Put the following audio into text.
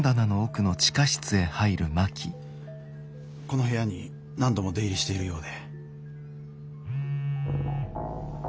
この部屋に何度も出入りしているようで。